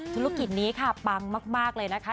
ธุรกิจนี้ค่ะปังมากเลยนะคะ